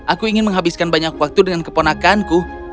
aku ingin menghabiskan banyak waktu dengan keponakanku